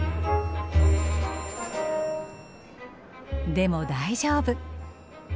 でも大丈夫。